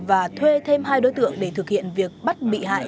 và thuê thêm hai đối tượng để thực hiện việc bắt bị hại